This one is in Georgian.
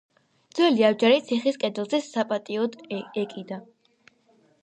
ძველი აბჯარი ციხის კედელზე საპატიოდ ეკიდა.